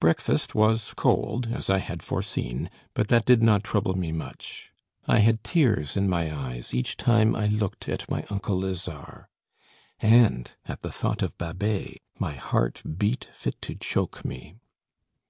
Breakfast was cold, as I had foreseen; but that did not trouble me much. I had tears in my eyes each time I looked at my uncle Lazare. And, at the thought of Babet, my heart beat fit to choke me.